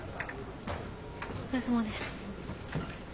お疲れさまでした。